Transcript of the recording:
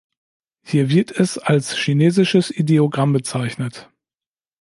Hier wird es als chinesisches Ideogramm bezeichnet.